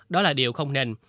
đó là điều không nên